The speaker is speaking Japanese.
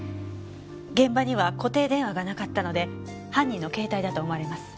現場には固定電話がなかったので犯人の携帯だと思われます。